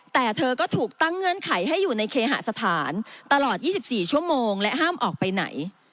แต่เธอก็ถูกตั้งเงื่อนไขให้อยู่ในเคหสถานตลอด๒๔ชั่วโมงและห้ามออกไปไหน